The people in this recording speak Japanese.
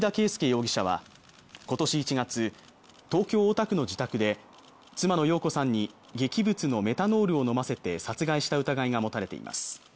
容疑者は今年１月東京大田区の自宅で妻の容子さんに劇物のメタノールを飲ませて殺害した疑いが持たれています